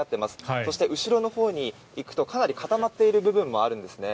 そして後ろのほうに行くとかなり固まっている部分もあるんですね。